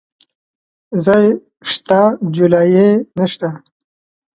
ځاى سته ، جولايې نسته.